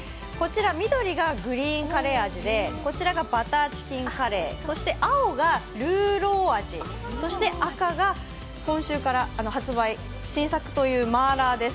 緑がグリーンカレーでこちらがバターチキンカレーそして青がルーロー味、そして赤が今週から発売、新作という麻辣です。